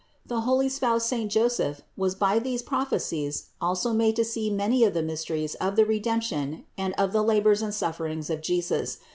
The holy spouse saint Joseph was by these prophe cies also made to see many of the mysteries of the Re demption and of the labors and sufferings of Jesus.